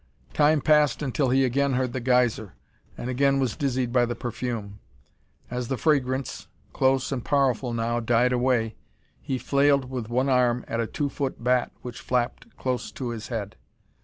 Time passed until again he heard the geyser, and again was dizzied by the perfume. As the fragrance close and powerful now died away, he flailed with one arm at a two foot bat which flapped close to his head.